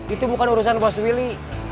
itu bukan urusan mas willy